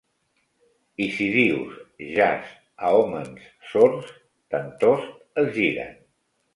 I si dius "jas" a hòmens sords, tantost es giren.